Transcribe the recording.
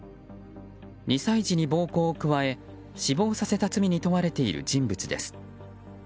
２歳児に暴行を加え死亡させた罪に問われている人物です。